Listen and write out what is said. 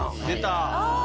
出た。